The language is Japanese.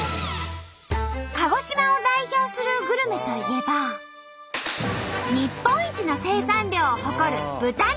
鹿児島を代表するグルメといえば日本一の生産量を誇る豚肉。